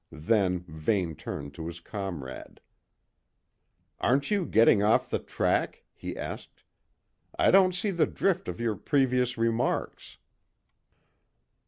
Then Vane turned to his comrade. "Aren't you getting off the track?" he asked. "I don't see the drift of your previous remarks."